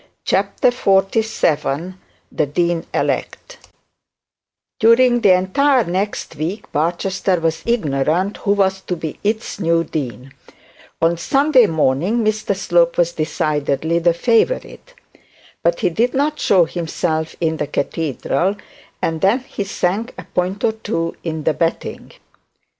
CHAPTER XLVII THE DEAN ELECT During the entire next week Barchester was ignorant who was to be its new dean on Sunday morning. Mr Slope was decidedly the favourite; but he did not show himself in the cathedral, and then he sank a point or two in the betting.